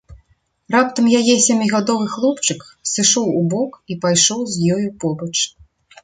Раптам яе сямігадовы хлопчык сышоў убок і пайшоў з ёю побач.